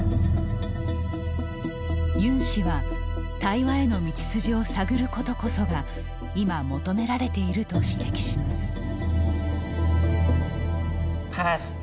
ユン氏は、対話への道筋を探ることこそが今、求められていると指摘します。